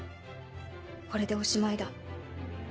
これでおしまいだ。